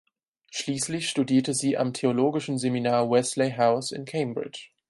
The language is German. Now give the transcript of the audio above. Schließlich studierte sie am theologischen Seminar Wesley House in Cambridge.